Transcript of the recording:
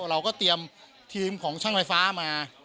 เราก็เตรียมทีมของช่างไฟฟ้ามา